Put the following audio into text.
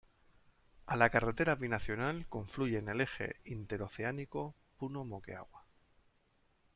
A la carretera Binacional confluyen el Eje Interoceánico Puno Moquegua.